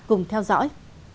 cùng theo dõi